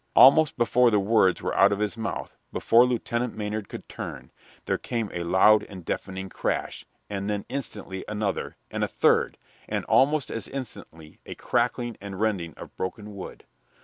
Almost before the words were out of his mouth, before Lieutenant Maynard could turn, there came a loud and deafening crash, and then instantly another, and a third, and almost as instantly a crackling and rending of broken wood.